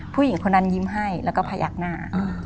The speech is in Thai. ผู้หญิงคนนั้นยิ้มให้แล้วก็พยักหน้า